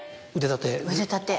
腕立て？